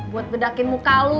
buat bedakin muka lo